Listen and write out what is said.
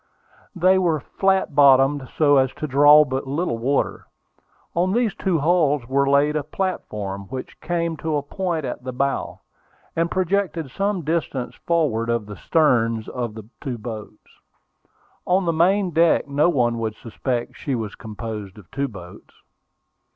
They were flat bottomed, so as to draw but little water. On these two hulls were laid a platform, which came to a point at the bow, and projected some distance forward of the stems of the two boats. On the main deck, no one would suspect that she was composed of two boats.